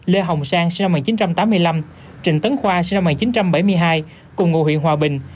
lê hồng sang sinh năm một nghìn chín trăm tám mươi năm trình tấn khoa sinh năm một nghìn chín trăm bảy mươi hai cùng ngụ huyện hòa bình